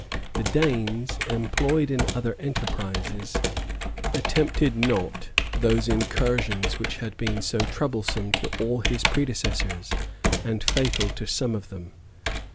The Danes, employed in other enterprises, at tempted not those incursions which had been so troublesome to all his predecessors, and fatal to some of them.